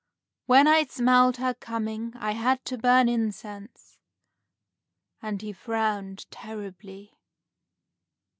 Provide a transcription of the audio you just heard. When I smelled her coming, I had to burn incense;" and he frowned terribly.